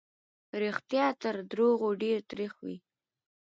رښتيا تر دروغو ډېر تريخ وي.